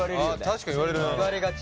確かに言われる。